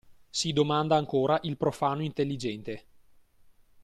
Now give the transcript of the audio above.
si domanda ancora il profano intelligente.